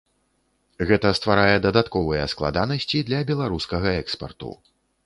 Гэта стварае дадатковыя складанасці для беларускага экспарту.